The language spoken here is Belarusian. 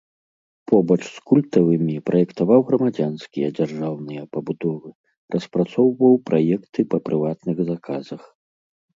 Побач з культавымі праектаваў грамадзянскія дзяржаўныя пабудовы, распрацоўваў праекты па прыватных заказах.